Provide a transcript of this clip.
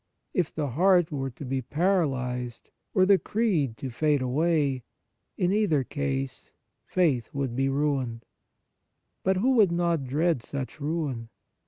If the heart were to be paralyzed or the Creed to fade away, in either case faith would be ruined. But who would not dread such ruin